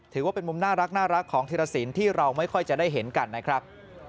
ถือว่าเป็นมุมน่ารักของธิรสินที่เราไม่ค่อยจะได้เห็นกันนะครับ